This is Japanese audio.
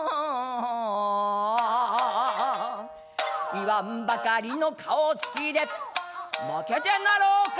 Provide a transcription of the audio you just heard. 「言わんばかりの顔つきで負けてなろうか笹川へ」